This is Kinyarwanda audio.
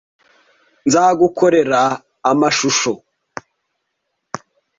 Nzagukorera amashusho.